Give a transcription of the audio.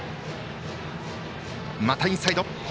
またインサイド。